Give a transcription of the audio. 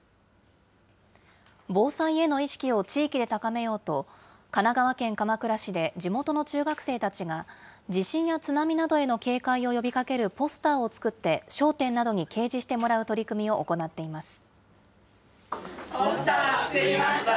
防災への意識を地域で高めようと、神奈川県鎌倉市で、地元の中学生たちが、地震や津波などへの警戒を呼びかけるポスターを作って、商店などに掲示してもらう取り組みを行っています。